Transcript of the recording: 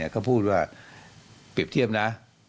ก็พูดว่าเปรียบเทียบนะ